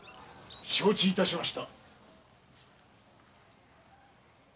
承知致しました。